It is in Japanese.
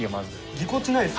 ぎこちないです。